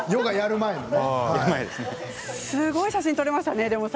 すごい写真が撮れましたね。